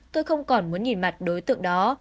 tôi không còn muốn nhìn mặt đối tượng đó